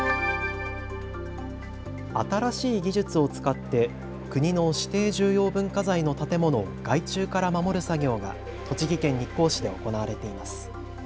新しい技術を使って国の指定重要文化財の建物を害虫から守る作業が栃木県日光市で行われています。